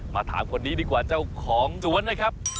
ถามคนนี้ดีกว่าเจ้าของสวนนะครับ